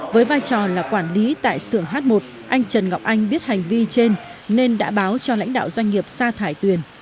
với vai trò là quản lý tại xưởng h một anh trần ngọc anh biết hành vi trên nên đã báo cho lãnh đạo doanh nghiệp xa thải tuyền